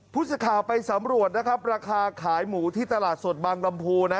ผู้สื่อข่าวไปสำรวจนะครับราคาขายหมูที่ตลาดสดบางลำพูนะ